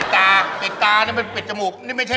ยังงี้ยังงี้ได้